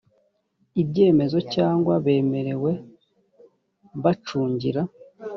ibyemezo cyangwa bemerewe bacungira